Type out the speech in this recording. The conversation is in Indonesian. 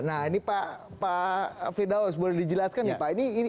nah ini pak firdaus boleh dijelaskan nih pak